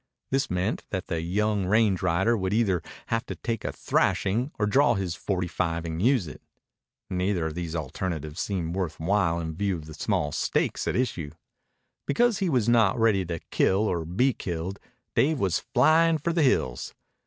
This meant that the young range rider would either have to take a thrashing or draw his forty five and use it. Neither of these alternatives seemed worth while in view of the small stakes at issue. Because he was not ready to kill or be killed, Dave was flying for the hills.